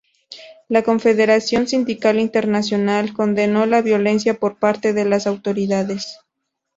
La Confederación Sindical Internacional condenó la violencia por parte de las autoridades.